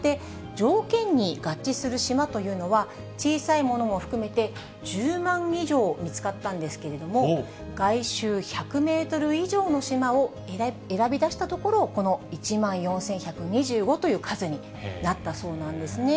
条件に合致する島というのは、小さいものも含めて１０万以上見つかったんですけれども、外周１００メートル以上の島を選び出したところ、この１万４１２５という数になったそうなんですね。